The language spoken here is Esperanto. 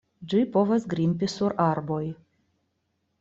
Ĝi povas grimpi sur arboj.